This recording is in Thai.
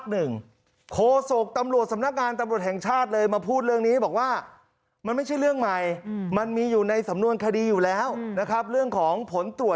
นั่นคือระดับภาค๑